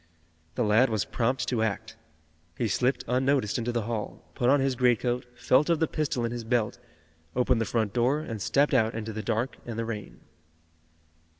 The lad was prompt to act. He slipped unnoticed into the hall, put on his greatcoat, felt of the pistol in his belt, opened the front door and stepped out into the dark and the rain.